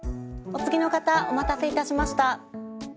お次の方お待たせいたしました。